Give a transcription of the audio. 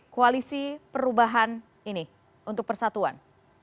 koalisi perubahan ini untuk persatuan